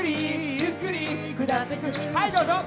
はいどうぞ！